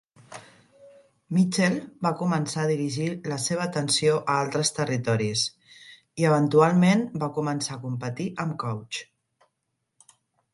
Mitchel va començar a dirigir la seva atenció a altres territoris, i eventualment va començar a competir amb Couch.